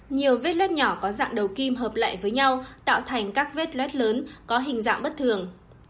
nhiều vết lốt nhỏ có dạng đầu kim hợp lại với nhau tạo thành các vết luet lớn có hình dạng bất thường